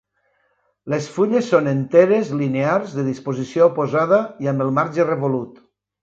Les fulles són enteres, linears, de disposició oposada i amb el marge revolut.